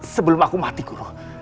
sebelum aku mati guru